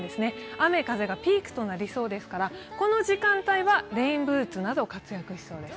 雨風がピークとなりそうですからこの時間帯はレインブーツなど活躍しそうです。